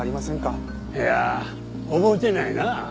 いやあ覚えてないな。